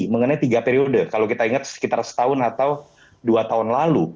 mengenai tiga periode kalau kita ingat sekitar setahun atau dua tahun lalu